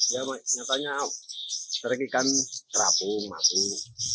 ya nyatanya serigikan terapung matung